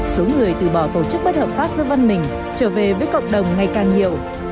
số người từ bỏ tổ chức bất hợp pháp giữa văn mình trở về với cộng đồng ngày càng nhiều